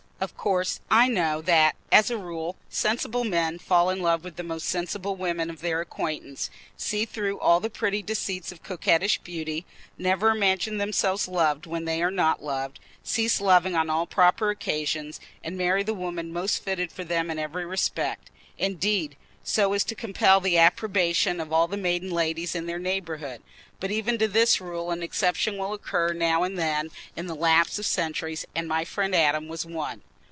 Of course, I know that, as a rule, sensible men fall in love with the most sensible women of their acquaintance, see through all the pretty deceits of coquettish beauty, never imagine themselves loved when they are not loved, cease loving on all proper occasions, and marry the woman most fitted for them in every respect—indeed, so as to compel the approbation of all the maiden ladies in their neighbourhood. But even to this rule an exception will occur now and then in the lapse of centuries, and my friend Adam was one.